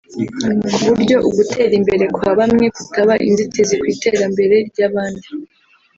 ku buryo ugutera imbere kwa bamwe kutaba inzitizi ku iterambere ry’abandi